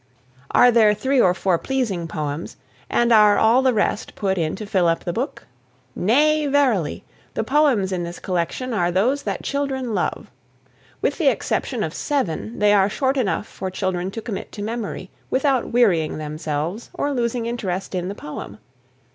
Are there three or four pleasing poems and are all the rest put in to fill up the book? Nay, verily! The poems in this collection are those that children love. With the exception of seven, they are short enough for children to commit to memory without wearying themselves or losing interest in the poem.